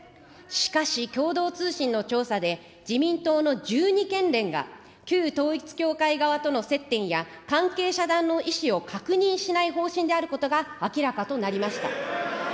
しかし共同通信の調査で、自民党の１２県連が、旧統一教会側との接点や、関係遮断の意思を確認しない方針であることが明らかとなりました。